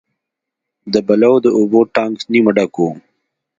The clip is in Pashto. د بلو د اوبو ټانک نیمه ډک و.